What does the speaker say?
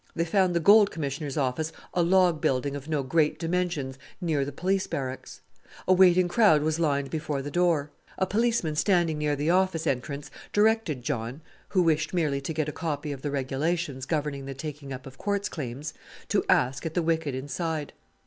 They found the Gold Commissioner's office a log building of no great dimensions near the police barracks. A waiting crowd was lined before the door. A policeman standing near the office entrance directed John, who wished merely to get a copy of the regulations governing the taking up of quartz claims, to ask at the wicket inside.